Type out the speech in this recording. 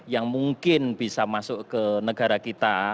yang mungkin bisa masuk ke negara kita